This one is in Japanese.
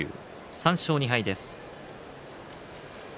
３勝２敗です。